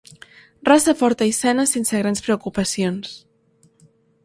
Raça forta i sana sense grans preocupacions.